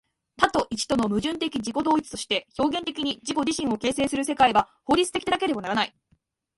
多と一との矛盾的自己同一として表現的に自己自身を形成する世界は、法律的でなければならない。